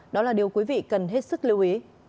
đó là điều quý vị cần hết sức lưu ý